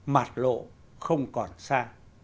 mạt lộ không còn xa